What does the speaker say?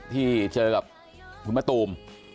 ที่เจอกับคุณมะตูม